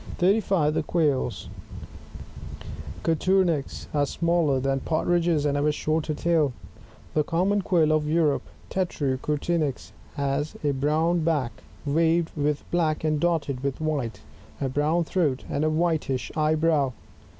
] 35. The Quails. — Coturnix, — are smaller than Partridges, and have a shorter tail. The Common Quail of Europe, — Tclrao cotnrnix, — has a brown back, waved with bkick and dotted with white, a brown throat, and a whitish eye brow.